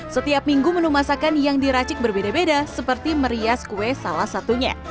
setiap minggu menu masakan yang diracik berbeda beda seperti merias kue salah satunya